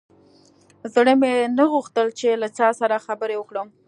زړه مې نه غوښتل چې له چا سره خبرې وکړم.